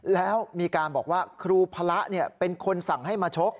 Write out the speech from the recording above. แล้วมีการบอกว่าครูพระเป็นคนสั่งให้มาชก